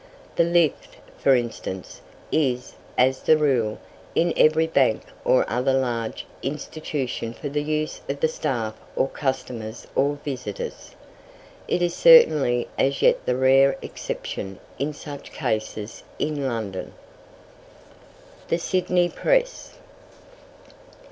The lift, for instance, is, as the rule, in every bank or other large institution for the use of the staff or customers or visitors. It is certainly as yet the rare exception in such cases in London. THE SYDNEY PRESS.